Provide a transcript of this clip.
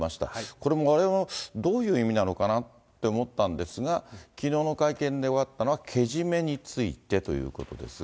これもわれわれ、どういう意味なのかなって思ったんですが、きのうの会見で分かったのは、けじめについてということですが。